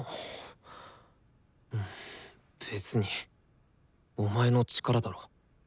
別にお前の力だろ。